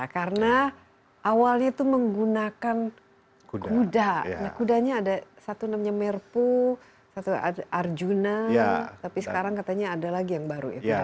karena awalnya itu menggunakan kuda kudanya ada satu namanya merpu satu ada arjuna tapi sekarang katanya ada lagi yang baru ya kudanya